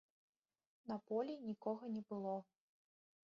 На полі нікога не было.